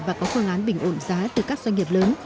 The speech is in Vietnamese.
và có phương án bình ổn giá từ các doanh nghiệp lớn